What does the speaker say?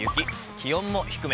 気温も低め。